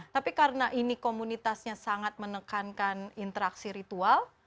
tapi karena ini komunitasnya sangat menekankan interaksi ritual